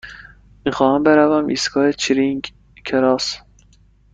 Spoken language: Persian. می خواهم بروم ایستگاه چرینگ کراس.